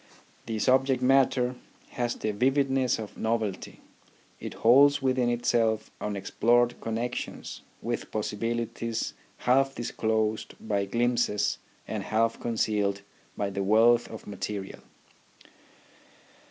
The subject matter has the vividness of novelty ; it holds within itself unexplored connexions with possibilities half disclosed by glimpses and half concealed by the wealth of material.